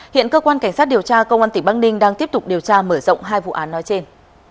hiện cơ quan cảnh sát điều tra công an tỉnh băng ninh đang tiếp tục điều tra mở rộng hai vụ án nói trên